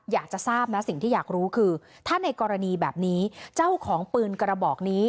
อยากจะทราบนะสิ่งที่อยากรู้คือถ้าในกรณีแบบนี้เจ้าของปืนกระบอกนี้